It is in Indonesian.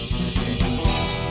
terima kasih sama sama